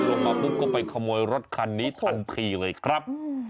มาปุ๊บก็ไปขโมยรถคันนี้ทันทีเลยครับ